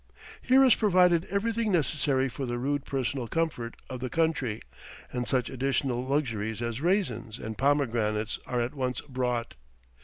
Here is provided everything necessary for the rude personal comfort of the country, and such additional luxuries as raisins and pomegranates are at once brought.